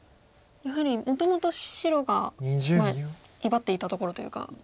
やはりもともと白が威張っていたところというか。